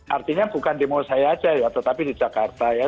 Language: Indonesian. artinya bukan demo saya aja ya tetapi di jakarta ya